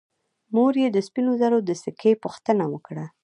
مور یې د سپینو زرو د سکې پوښتنه وکړه.